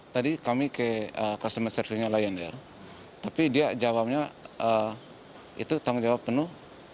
tadi kami ke customer service nya lion air tapi dia jawabnya itu tanggung jawab penuh